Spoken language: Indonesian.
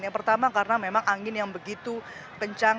yang pertama karena memang angin yang begitu kencang